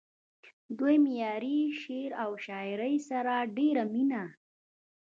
دوي معياري شعر و شاعرۍ سره ډېره مينه